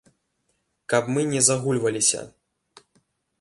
Каб мы не загульваліся.